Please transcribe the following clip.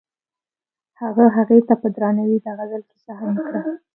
هغه هغې ته په درناوي د غزل کیسه هم وکړه.